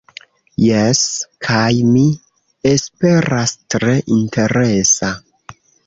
Jes, kaj, mi esperas, tre interesa.